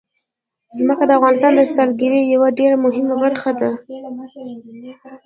ځمکه د افغانستان د سیلګرۍ یوه ډېره مهمه برخه ده.